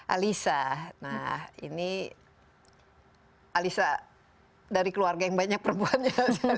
alisa nah ini alisa dari keluarga yang banyak perempuannya